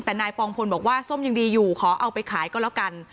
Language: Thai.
แต่นายปองพลบอกว่าส้มยังดีอยู่ขอเอาไปขายก็แล้วกัน